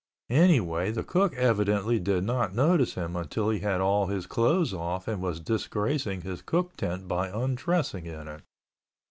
Anyway the cook evidently did not notice him until he had all his clothes off and was disgracing his cook tent by undressing in it.